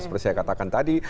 seperti saya katakan tadi